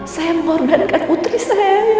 saya mengorbankan putri saya yang lain